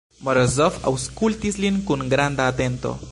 Morozov aŭskultis lin kun granda atento.